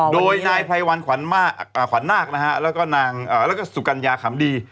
โดยนายพัยวันขวัญนากนะฮะแล้วก็สุกัญญาขำดี